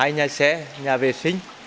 hai nhà xe nhà vệ sinh